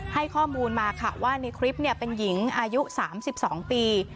ให้ข้อมูลมาค่ะว่าในคลิปเป็นหญิงอายุ๓๒ปี